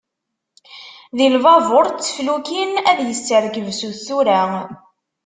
Di lbabur d teflukin, ad yesserkeb sut tura.